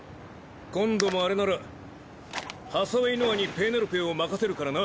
今度もあれならハサウェイ・ノアにペーネロペーを任せるからな。